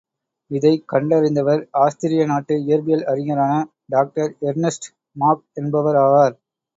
இதைக் கண்டறிந்தவர் ஆஸ்திரி நாட்டு இயற்பியல் அறிஞரான டாக்டர் எர்னெஸ்ட் மாக் என்பவர் ஆவார்.